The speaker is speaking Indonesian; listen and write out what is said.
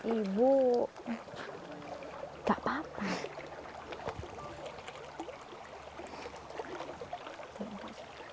ibu gak apa apa